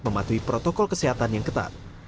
mematuhi protokol kesehatan yang ketat